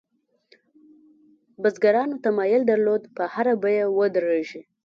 بزګرانو تمایل درلود په هره بیه ودرېږي.